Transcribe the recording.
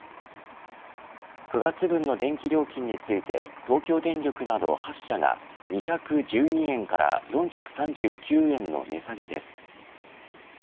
９月分の電気料金について東京電力など８社が２１２円から４３９円の値下げです。